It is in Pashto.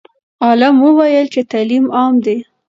عالم وویل چې تعلیم عام دی.